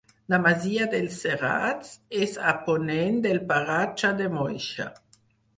La masia dels Serrats és a ponent del paratge de Moixa.